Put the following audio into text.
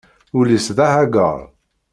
Ul-is d ahaggaṛ.